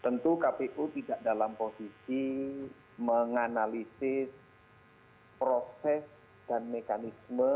tentu kpu tidak dalam posisi menganalisis proses dan mekanisme